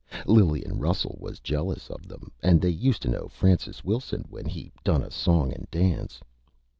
Lillian Russell was jealous of them and they used to know Francis Wilson when he done a Song and Dance.